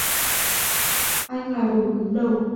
anh là đồ cứng đầu